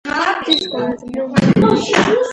Выйди из комнаты! Мне нужно переодеться.